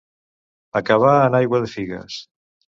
Acabar en aigua de figues.